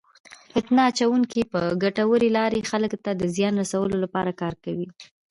فتنه اچونکي په ګټورې لارې خلکو ته د زیان رسولو لپاره کار کوي.